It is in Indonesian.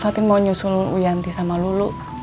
fatin mau nyusul uyanti sama lulu